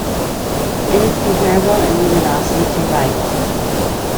It is comparable in luminosity to Rigel.